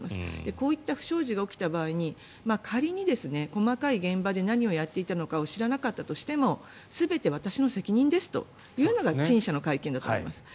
こういった不祥事が起きた場合仮に細かい現場で何をやっていたのかを知らなかったとしても全て私の責任ですと言うのが陳謝の会見だと思います。